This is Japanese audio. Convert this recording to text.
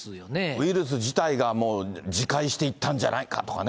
ウイルス自体が、もう自壊していったんじゃないかとかね。